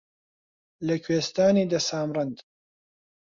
لە کوێستانی دە سامرەند